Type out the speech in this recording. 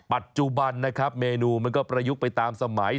ปัจจุบันนะครับเมนูมันก็ประยุกต์ไปตามสมัย